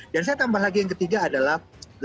dan saya tambah lagi yang ketiga adalah